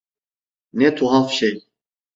Ne tuhaf şey!